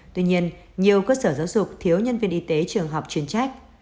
tuy nhiên nhiều cơ sở giáo dục thiếu nhân viên y tế trường học chuyên trách